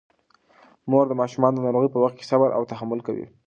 مور د ماشومانو د ناروغۍ په وخت کې صبر او تحمل کوي.